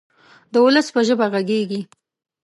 د ولس په ژبه غږیږي.